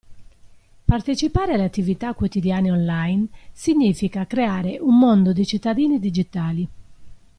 Partecipare alle attività quotidiane online, significa creare un mondo di cittadini digitali.